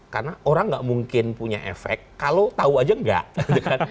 karena orang nggak mungkin punya efek kalau tahu aja nggak